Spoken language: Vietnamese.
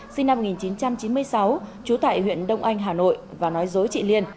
sinh năm một nghìn chín trăm chín mươi sáu trú tại huyện đông anh hà nội và nói dối chị liên